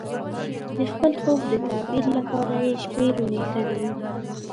د خپل خوب د تعبیر لپاره یې شپې روڼې کړې وې.